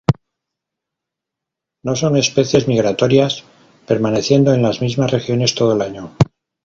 No son especies migratorias, permaneciendo en las mismas regiones todo el año.